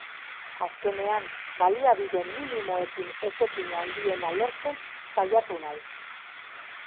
Azkenean, baliabide minimoekin etekin handiena lortzen saiatu naiz.